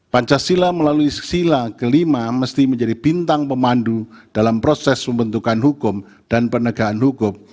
pancasila melalui sila kelima mesti menjadi bintang pemandu dalam proses pembentukan hukum dan penegakan hukum